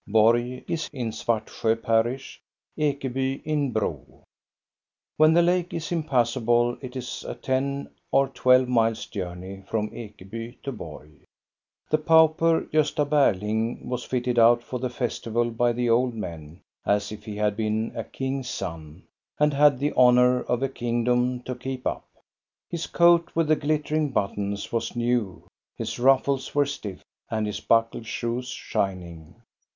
Borg is in Svartsjo parish, Ekeby in Bro. When the lake is impassable it is a ten or twelve miles' journey from Ekeby to Borg. The pauper, Gosta Berling, was fitted out for the festival by the old men, as if he had been a king's son, and had the honor of a kingdom to keep up. His coat with the glittering buttons was new, his ruffles were stiff, and his buckled shoes shining.